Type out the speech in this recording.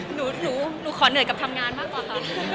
หนูขอเหนื่อยกับทำงานมากกว่าค่ะ